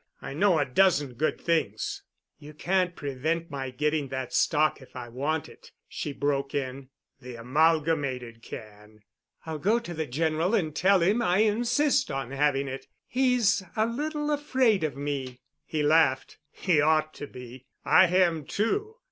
I know a dozen good things." "You can't prevent my getting that stock if I want it," she broke in. "The Amalgamated can." "I'll go to the General and tell him I insist on having it. He's a little afraid of me." He laughed. "He ought to be. I am, too."